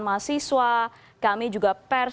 mahasiswa kami juga pers